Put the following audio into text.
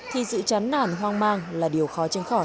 thì sự chán nản hoang mang là điều khó tránh khỏi